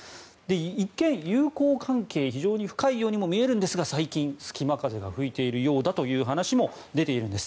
一見、友好関係非常に深いように見えるんですが最近、隙間風が吹いているようだという話も出ているんです。